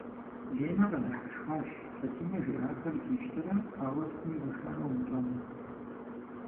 Ленэ къэдыхьэшхащ, Фатимэ жиӀахэр дищтэрэ ауэ сытми гушыӀэрэ умыщӀэну.